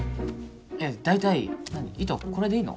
いや大体なに糸これでいいの？